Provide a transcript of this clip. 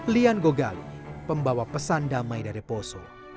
lian gogali pembawa pesan damai dari poso